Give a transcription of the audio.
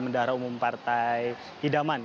mendara umum partai hidaman